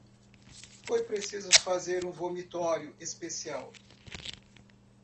foi preciso fazer um vomitório especial